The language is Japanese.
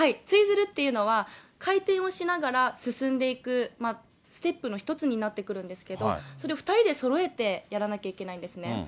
ツイヅルっていうのは、回転をしながら進んでいくステップの一つになってくるんですけど、それを２人でそろえてやらなきゃいけないんですね。